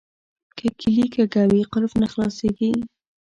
که کیلي کږه وي قلف نه خلاصیږي.